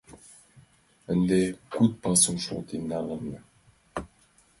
Ынде куд пасум шотлен налына.